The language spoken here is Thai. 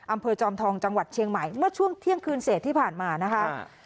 จอมทองจังหวัดเชียงใหม่เมื่อช่วงเที่ยงคืนเศษที่ผ่านมานะคะ